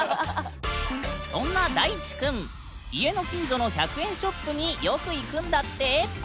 そんな大智くん家の近所の１００円ショップによく行くんだって。